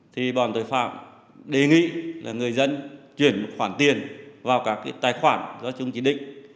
thì bọn tội phạm đề nghị là người dân chuyển khoản tiền vào các tài khoản do chúng chỉ định